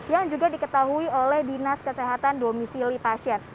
yang juga diketahui oleh dinas kesehatan domisili pasien